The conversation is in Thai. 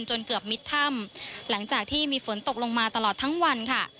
จนเกือบมิดถ้ำหลังจากที่มีฝนตกลงมาตลอดทั้งวันค่ะ